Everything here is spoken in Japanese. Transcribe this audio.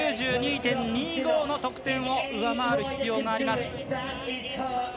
９２．２５の得点を上回る必要があります。